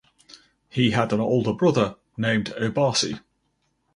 He had an older brother named Obasi.